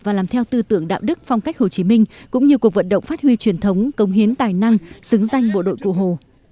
và làm theo tư tưởng đạo đức phong cách hồ chí minh cũng như cuộc vận động phát huy truyền thống công hiến tài năng xứng danh bộ đội cụ hồ